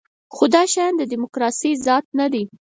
خو دا شیان د دیموکراسۍ ذات نه دی.